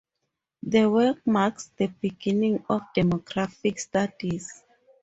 The work marks the beginning of demographic studies.